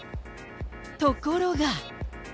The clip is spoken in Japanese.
ところが。